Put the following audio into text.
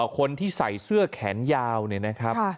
คนที่ใส่เสื้อแขนยาวเนี่ยนะครับ